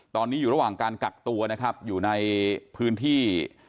ตอนนี้อยู่ระหว่างการกักตัวนะครับอยู่ในพื้นที่